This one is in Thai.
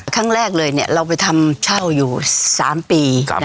ครั้งแรกเลยเราไปทำเช่าอยู่๓ปี